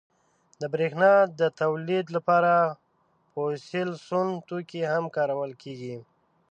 • د برېښنا د تولید لپاره فوسیل سون توکي هم کارول کېږي.